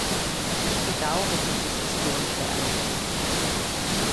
Ich bedaure dieses historische Ereignis.